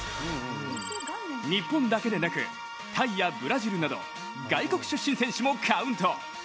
日本だけでなくタイやブラジルなど外国出身選手もカウント。